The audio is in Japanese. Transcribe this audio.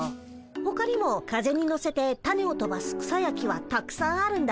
ほかにも風に乗せてタネをとばす草や木はたくさんあるんだ。